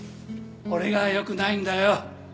俺がよくないんだよ